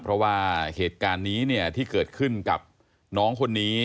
เพราะว่าเหตุการณ์นี้เนี่ยที่เกิดขึ้นกับน้องคนนี้